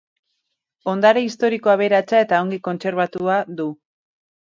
Ondare historiko aberatsa eta ongi kontserbatua du.